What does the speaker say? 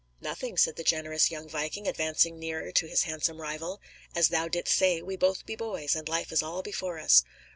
"Nothing," said the generous young viking, advancing nearer to his handsome rival. "As thou didst say, we both be boys, and life is all before us.